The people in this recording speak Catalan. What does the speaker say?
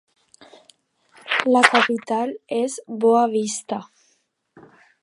La capital és Boa Vista.